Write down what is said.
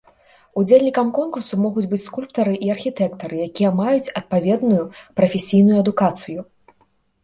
Удзельнікамі конкурсу могуць быць скульптары і архітэктары, якія маюць адпаведную прафесійную адукацыю.